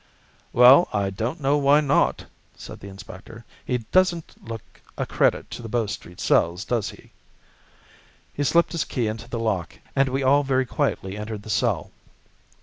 "Well, I don't know why not," said the inspector. "He doesn't look a credit to the Bow Street cells, does he?" He slipped his key into the lock, and we all very quietly entered the cell.